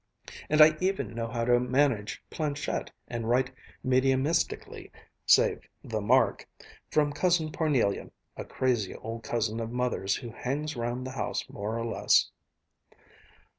And I even know how to manage planchette and write mediumistically save the mark! from Cousin Parnelia, a crazy old cousin of Mother's who hangs round the house more or less."